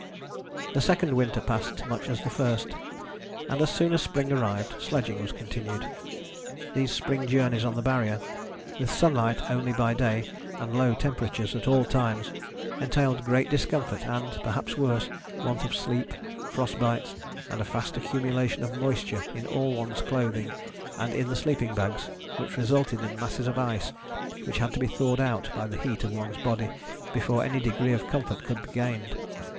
The second winter passed much as the first, and as soon as spring arrived sledging was continued. These spring journeys on the Barrier, with sunlight only by day and low temperatures at all times, entailed great discomfort and, perhaps worse, want of sleep, frost bites, and a fast accumulation of moisture in all one's clothing and in the sleeping bags, which resulted in masses of ice which had to be thawed out by the heat of one's body before any degree of comfort could be gained.